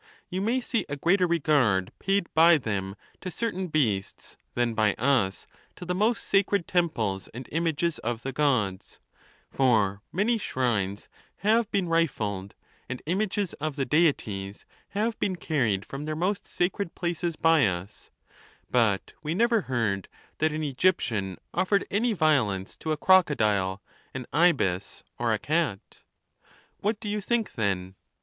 Tou may see a greater re gard paid by them to certain beasts than by us to the most sacred temples and images of the Gods ; for many shrines have been rifled, and images of the Deities have been car ried from their most sacred places by us; but we never heard that an Egyptian offered any violence to a croco dile, an ibis, or a cat. What do you think, then